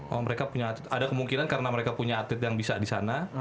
oh mereka punya atlet ada kemungkinan karena mereka punya atlet yang bisa di sana